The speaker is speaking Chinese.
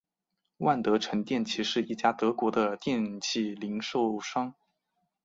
万得城电器是一家德国的电器零售商。